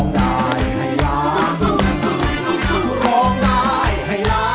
ได้เลยครับ